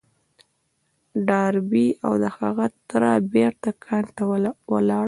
ډاربي او د هغه تره بېرته کان ته ولاړل.